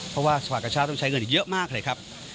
เพราะว่าสภากชาติต้องใช้เงินอีกเยอะมากเลยครับ